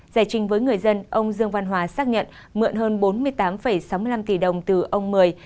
giải trình với người dân ông dương văn hòa xác nhận mượn hơn bốn mươi tám sáu mươi năm tỷ đồng từ ông mười